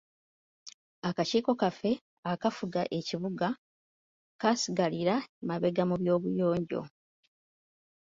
Akakiiko kaffe akafuga ekibuga kasigalira mabega mu by'obuyonjo.